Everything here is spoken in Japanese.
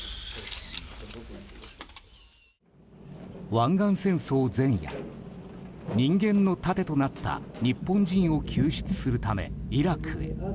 湾岸戦争前夜人間の盾となった日本人を救出するためイラクへ。